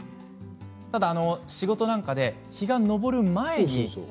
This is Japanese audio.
ただ仕事なんかで日が昇る前に。